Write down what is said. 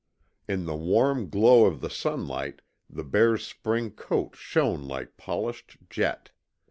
In the warm glow of the sunlight the bear's spring coat shone like polished jet.